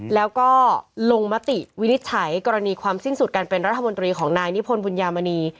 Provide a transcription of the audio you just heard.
แล้วก็ลงมติวินิจฉัยกรณีความสิ้นสุดการเป็นรัฐมนตรีของนายนิพนธ์บุญญามณี